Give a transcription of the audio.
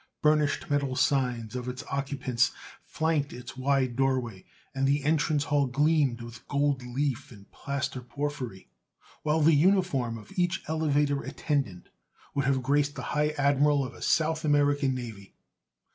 Burnished metal signs of its occupants flanked its wide doorway, and the entrance hall gleamed with gold leaf and plaster porphyry, while the uniform of each elevator attendant would have graced the high admiral of a South American Navy.